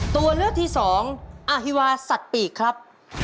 ตัวเลือกที่สองอฮิวาสัตว์ปีกครับ